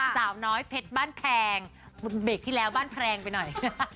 สาวน้อยเพชรบ้านแพงเบรกที่แล้วบ้านแพรงไปหน่อย